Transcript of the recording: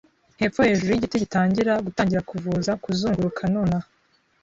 hepfo hejuru yigiti-gitangira gutangira kuvuza, kuzunguruka nonaha